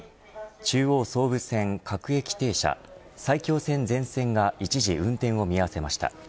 中央総武線各駅停車埼京線全線が一時運転を見合わせました。